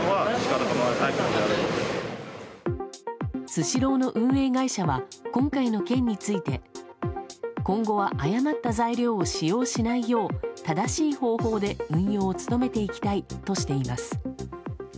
スシローの運営会社は今回の件について今後は誤った材料を使用しないよう正しい方法で運用を努めていきたいとしています。